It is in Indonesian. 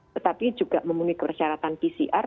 tetapi juga memenuhi persyaratan pcr